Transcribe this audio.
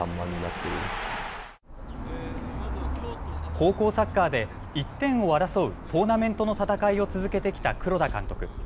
高校サッカーで１点を争うトーナメントの戦いを続けてきた黒田監督。